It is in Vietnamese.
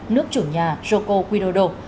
nước chủ nhà joko widodo